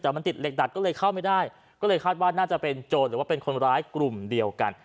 แต่มันติดเหล็กดัดก็เลยเข้าไม่ได้ก็เลยคาดว่าน่าจะเป็นโจรหรือว่าเป็นคนร้ายกลุ่มเดียวกัน